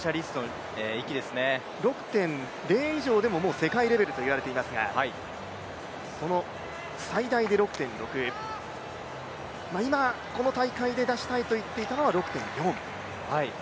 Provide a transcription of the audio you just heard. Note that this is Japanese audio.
６．０以上でも世界レベルといわれていますが、最大で６．６今、この大会で出したいと言っていたのは６．４。